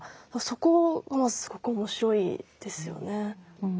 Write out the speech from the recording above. そこがまあすごく面白いですよね。